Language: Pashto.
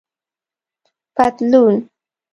👖پطلون